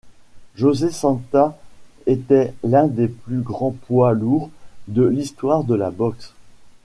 José Santa était l'un des plus grands poids lourds de l'histoire de la boxe.